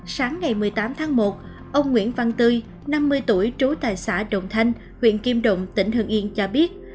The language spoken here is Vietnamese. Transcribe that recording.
sáng ngày một mươi tám tháng một ông nguyễn văn tươi năm mươi tuổi trú tại xã đồng thanh huyện kim động tỉnh hương yên cho biết